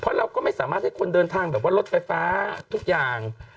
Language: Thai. เพราะเราก็ไม่สามารถให้คนเดินทางแบบว่ารถไฟฟ้าทุกอย่าง